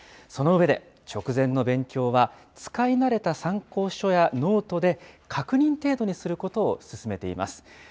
その上で、直前の勉強は、使い慣れた参考書やノートで、確認程度にすることを勧めています。